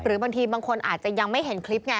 บางทีบางคนอาจจะยังไม่เห็นคลิปไง